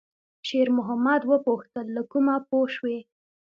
شېرمحمد وپوښتل: «له کومه پوه شوې؟»